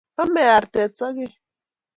Ame artet sogek